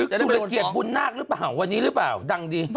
จุรเกียรติบุญนาคหรือเปล่าวันนี้หรือเปล่าดังดี